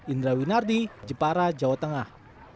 indra winardi jepara jawa tengah